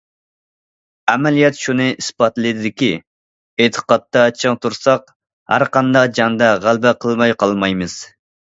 ئەمەلىيەت شۇنى ئىسپاتلىدىكى، ئېتىقادتا چىڭ تۇرساق، ھەرقانداق جەڭدە غەلىبە قىلماي قالمايمىز.